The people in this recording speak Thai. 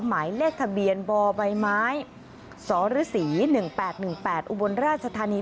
หมายเลขทะเบียนบใบไม้สรศรี๑๘๑๘อุบลราชธานี